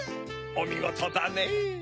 おみごとだねぇ。